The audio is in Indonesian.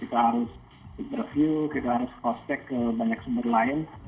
kita harus interview kita harus prospek ke banyak sumber lain